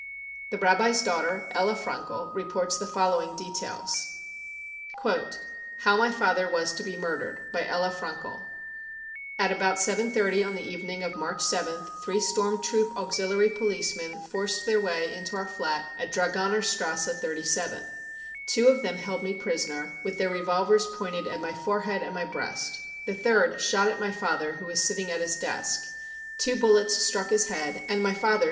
The Rabbi's daughter, Ella Frankel, reports the following details : e> How my Father was to be Murdered By Ella Frankel " At about 7.30 on the evening of March 7th three Storm Troop auxiliary policemen forced their way into our flat at Dragonerstrasse 37. Two of them held me prisoner, with their revolvers pointed at my forehead and my breast. The third shot at my father, who was sitting at his desk. Two bullets struck his head, and my father.